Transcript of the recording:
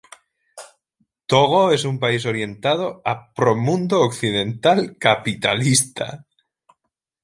Togo es un país orientado a pro Mundo Occidental, capitalista.